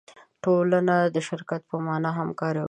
ټولنه د شرکت په مانا هم کارول کېږي.